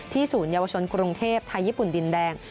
ที่ศูนยเยาวชนกรงเทพฯไทยญี่ปุ่นดินแดง